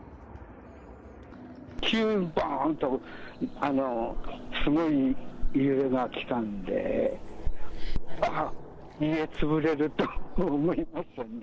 急にぼーんと、すごい揺れが来たんで、家潰れると思いましたね。